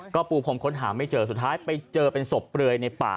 ก็ปูพรมค้นหาไม่เจอสุดท้ายไปเจอเป็นศพเปลือยในป่า